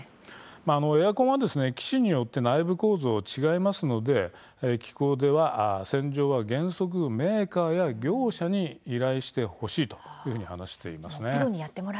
エアコンは機種によって内部構造が違いますので機構では洗浄は原則メーカーや業者に依頼してほしいと話しています。